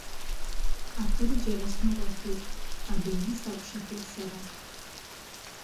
Акырџьара сныҟәахьеит, адунеи сакәшахьеит сара.